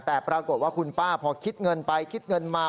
แต่ปรากฏว่าคุณป้าพอคิดเงินไปคิดเงินมา